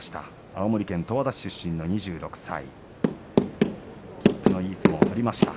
青森県十和田市出身の２６歳きっぷのいい相撲を取りました。